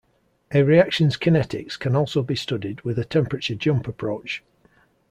A reaction's kinetics can also be studied with a temperature jump approach.